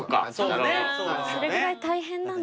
それぐらい大変なんだ。